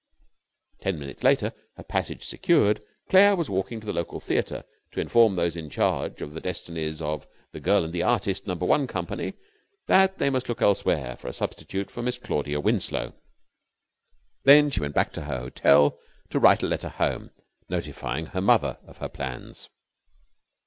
Ten minutes later, her passage secured, Claire was walking to the local theatre to inform those in charge of the destinies of The Girl and the Artist number one company that they must look elsewhere for a substitute for Miss Claudia Winslow. Then she went back to her hotel to write a letter home, notifying her mother of her plans.